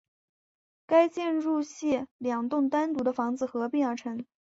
该建筑系两栋单独的房子合并而成。